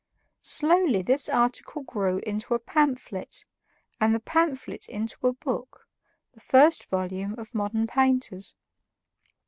Slowly this article grew into a pamphlet, and the pamphlet into a book, the first volume of "Modern Painters."